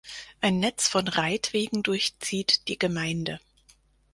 Ein Netz von Reitwegen durchzieht die Gemeinde.